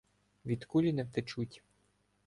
Від кулі не втечуть.